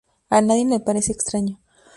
a nadie le parece extraño